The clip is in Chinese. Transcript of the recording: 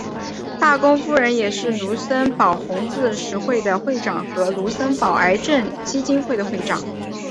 大公夫人也是卢森堡红十字会的会长和卢森堡癌症基金会的会长。